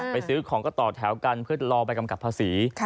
ซื้อของก็ต่อแถวกันเพื่อรอใบกำกับภาษี